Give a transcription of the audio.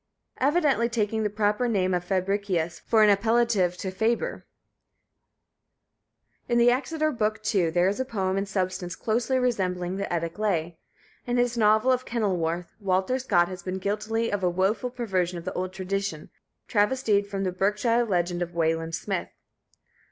evidently taking the proper name of Fabricius for an appellative equivalent to faber. In the Exeter Book, too, there is a poem in substance closely resembling the Eddaic lay. In his novel of Kenilworth, Walter Scott has been guilty of a woeful perversion of the old tradition, travestied from the Berkshire legend of Wayland Smith.